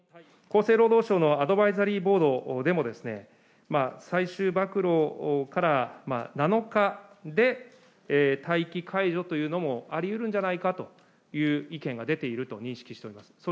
厚生労働省のアドバイザリーボードでも、最終暴露から７日で待機解除というのもありうるんじゃないかという意見が出ていると認識しております。